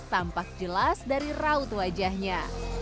tampak jelas dari raut wajahnya